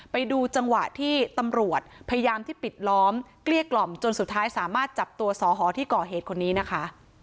ไปดูจังหวะที่ตำรวจพยายามที่ปิดล้อมเกลี้ยกล่อมจนสุดท้ายสามารถจับตัวสอหอที่ก่อเหตุคนนี้นะคะ